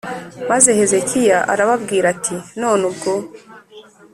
Maze Hezekiya arababwira ati None ubwo